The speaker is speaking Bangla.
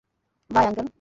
By, uncle!